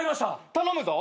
頼むぞ。